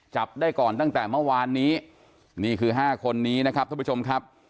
จับได้ก่อนตั้งแต่เมื่อวานนี้นี่คือห้าคนนี้นะครับท่านผู้ชมครับ